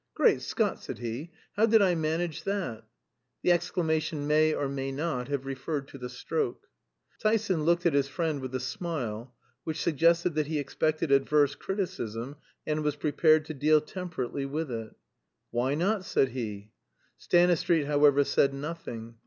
"Great Scott!" said he, "how did I manage that?" The exclamation may or may not have referred to the stroke. Tyson looked at his friend with a smile which suggested that he expected adverse criticism, and was prepared to deal temperately with it. "Why not?" said he. Stanistreet, however, said nothing.